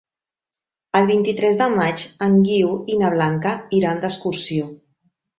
El vint-i-tres de maig en Guiu i na Blanca iran d'excursió.